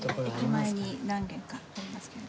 駅前に何軒かありますけれど。